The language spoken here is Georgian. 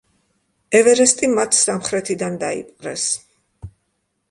ევერესტი მათ სამხრეთიდან დაიპყრეს.